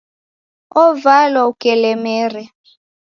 Ovalwa ukelemere.